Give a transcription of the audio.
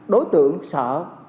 đối tượng sợ